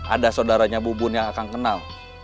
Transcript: ada saudaranya bubun yang akan kenal